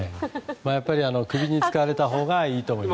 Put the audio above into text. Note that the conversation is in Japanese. やっぱり首に使われたほうがいいと思います。